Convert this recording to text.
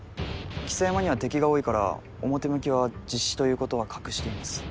象山には敵が多いから表向きは実子ということは隠しています。